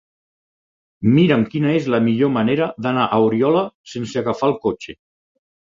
Mira'm quina és la millor manera d'anar a Oriola sense agafar el cotxe.